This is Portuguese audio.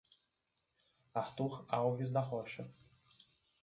Artur Alves da Rocha